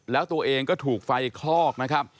แล้วตัวเองก็ถูกไฟคลอกนะครับ